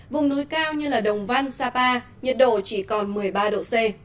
vùng núi cao như đồng văn sapa nhiệt độ chỉ còn một mươi ba độ c